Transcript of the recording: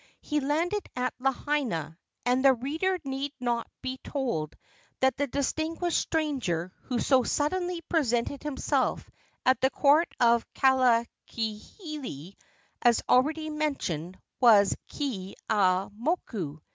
He landed at Lahaina, and the reader need not be told that the distinguished stranger who so suddenly presented himself at the court of Kahekili, as already mentioned, was Keeaumoku.